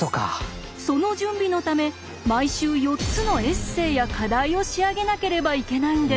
その準備のため毎週４つのエッセイや課題を仕上げなければいけないんです。